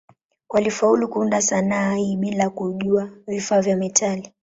Walifaulu kuunda sanaa hii bila kujua vifaa vya metali.